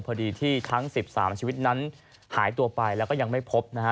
พอดีที่ทั้ง๑๓ชีวิตนั้นหายตัวไปแล้วก็ยังไม่พบนะฮะ